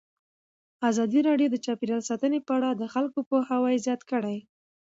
ازادي راډیو د چاپیریال ساتنه په اړه د خلکو پوهاوی زیات کړی.